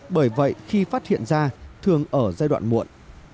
bởi vậy khi phát hiện ra thường ở giai đoạn muộn